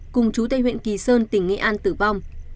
cùng chú tại huyện kỳ sơn tỉnh nghệ an tử vong